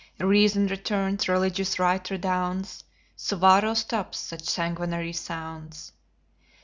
Reason returns, religious right redounds, Suwarrow stops such sanguinary sounds.